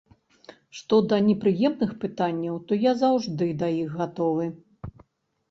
Што да непрыемных пытанняў, то я заўжды да іх гатовы.